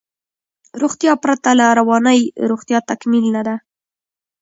روغتیا پرته له روانی روغتیا تکمیل نده